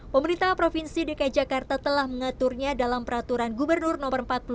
pemerintah provinsi dki jakarta telah mengaturnya dalam peraturan gubernur no empat puluh lima